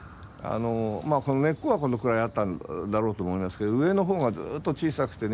この根っこはこのくらいあったんだろうと思いますけど上のほうがずっと小さくてね